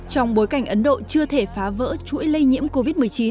trong bối cảnh ấn độ chưa thể phá vỡ chuỗi lây nhiễm covid một mươi chín